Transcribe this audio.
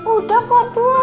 udah kok aduh